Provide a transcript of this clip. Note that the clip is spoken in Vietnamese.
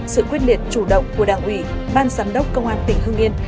sự quyết liệt chủ động của đảng ủy ban giám đốc công an tỉnh hưng yên